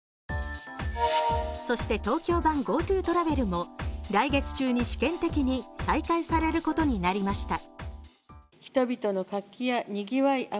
そして東京版ＧｏＴｏトラベルも来月中に試験的に再開されることになりました。